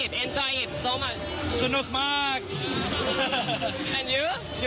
ที่สนชนะสงครามเปิดเพิ่ม